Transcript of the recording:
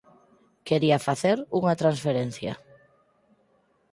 Quería facer unha transferencia